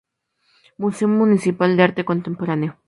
Museo Municipal de Arte Contemporáneo.